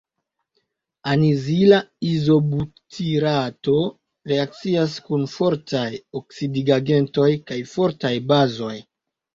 Anizila izobutirato reakcias kun fortaj oksidigagentoj kaj fortaj bazoj.